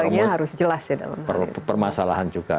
nah ini juga perlu perut permasalahan juga